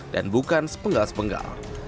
dan bukan sepenggal sepenggal